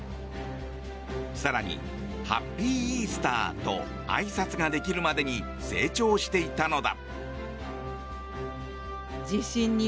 更に、ハッピーイースターとあいさつができるまでに成長していたのだ。